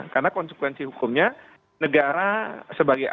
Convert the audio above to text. karena konsekuensi hukumnya negara sebagiannya